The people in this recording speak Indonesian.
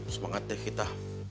semangat deh kita